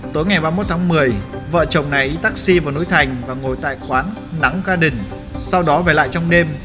tối ngày ba mươi một tháng một mươi vợ chồng này taxi vào núi thành và ngồi tại quán nắng gaden sau đó về lại trong đêm